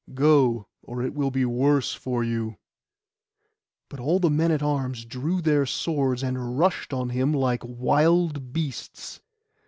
Go, or it will be worse for you.' But all the men at arms drew their swords, and rushed on him like wild beasts.